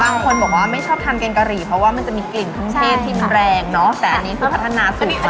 บางคนบอกว่าไม่ชอบทานแกงกะหรี่เพราะว่ามันจะมีกลิ่นเครื่องเทศที่มันแรงเนอะแต่อันนี้เพื่อพัฒนาสูตร